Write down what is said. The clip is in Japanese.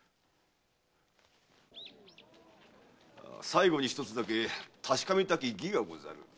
最後に一つだけ確かめたき儀がござる。